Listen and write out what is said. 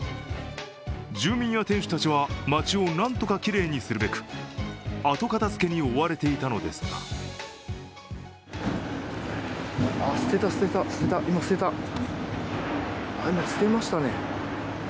住民や店主たちは街を何とかきれいにするべく後片づけに追われていたのですがあ、捨てた捨てた、今捨てましたね。